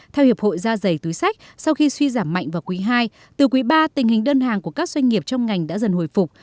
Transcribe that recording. theo hiệp hội da dày túi sách sau khi suy giảm mạnh vào quý ii từ quý ba tình hình đơn hàng của các doanh nghiệp trong ngành đã dần hồi phục